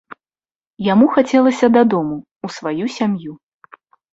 Яму хацелася дадому, у сваю сям'ю.